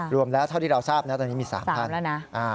รวมแล้วเท่าที่เราทราบตอนนี้มี๓ท่าน